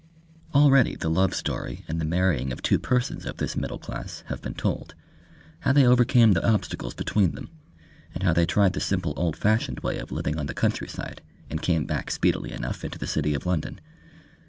Already the love story and the marrying of two persons of this middle class have been told: how they overcame the obstacles between them, and how they tried the simple old fashioned way of living on the countryside and came back speedily enough into the city of London.